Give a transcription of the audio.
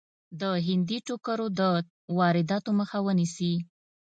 د هندي ټوکرو د وادراتو مخه ونیسي.